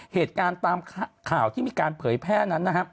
เหตุการณ์ตามข่าวที่มีการเผยแพร่นั้นนะครับ